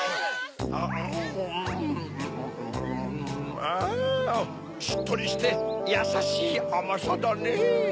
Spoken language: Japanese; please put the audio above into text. あしっとりしてやさしいあまさだねぇ。